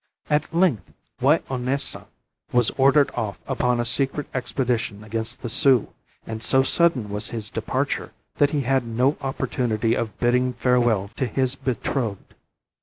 At length Wai o naisa was ordered off upon a secret expedition against the Sioux, and so sudden was his departure that he had no opportunity of bidding farewell to his betrothed.